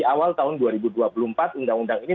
awal tahun dua ribu dua puluh empat undang undang ini